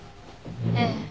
ええ。